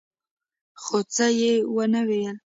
خو څه يې ونه ويل.